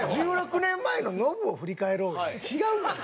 「１６年前のノブを振り返ろう」は違うのよ。